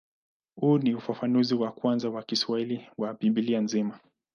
Huu ni ufafanuzi wa kwanza wa Kiswahili wa Biblia nzima.